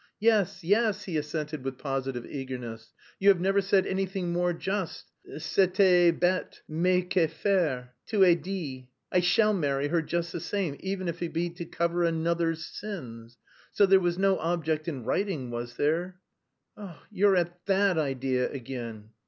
"Yes, yes," he assented with positive eagerness. "You have never said anything more just, c'était bête, mais que faire? Tout est dit. I shall marry her just the same even if it be to cover 'another's sins.' So there was no object in writing, was there?" "You're at that idea again!"